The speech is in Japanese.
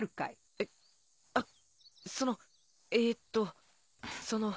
えっあっそのえっとその。